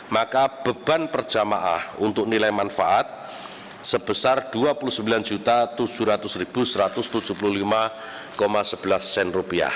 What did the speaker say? maka beban per jemaah untuk nilai manfaat sebesar rp dua puluh sembilan tujuh ratus satu ratus tujuh puluh lima sebelas